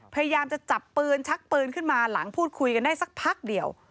พยายามจะจับปืนชักปืนขึ้นมาหลังพูดคุยกันได้สักพักเดียว